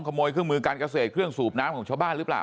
ขโมยเครื่องมือการเกษตรเครื่องสูบน้ำของชาวบ้านหรือเปล่า